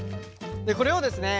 これをですね